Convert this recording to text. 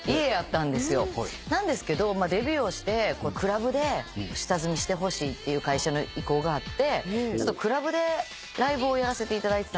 なんですけどデビューをしてクラブで下積みしてほしいっていう会社の意向があってクラブでライブをやらせていただいてたんですけど。